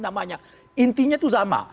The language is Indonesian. namanya intinya itu sama